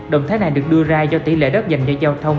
động thái này được đưa ra do tỷ lệ đất dành để giao thông